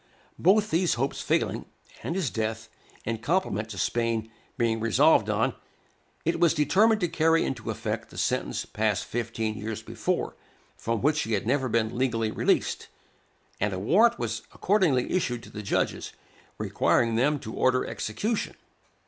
Both these hopes failing, and his death, in compliment to Spain, being resolved on, it was determined to carry into effect the sentence passed fifteen years before, from which he had never been legally released; and a warrant was accordingly issued to the judges, requiring them to order execution.